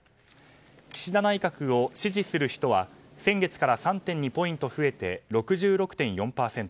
岸田内閣を支持する人は先月から３．２ポイント増えて６６．４％。